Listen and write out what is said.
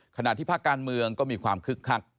ขณะที่ภาคการเมืองก็มีความคึกคัก